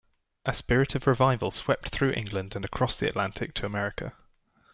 A spirit of revival swept through England and across the Atlantic to America.